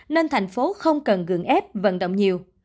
nên thành phố không cần gường ép vận động nhiều